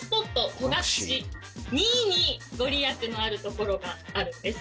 戸隠「にー」に御利益のあるところがあるんです